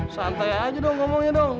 santai aja dong ngomongnya dong